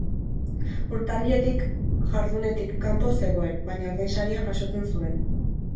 Urtarriletik jardunetik kanpo zegoen, baina ordainsaria jasotzen zuen.